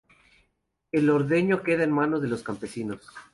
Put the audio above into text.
El ordeño queda en las manos de los campesinos.